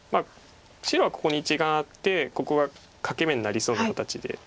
白はここに１眼あってここが欠け眼になりそうな形で。